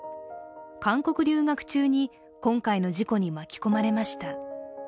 韓国留学中に、今回の事故に巻き込まれました。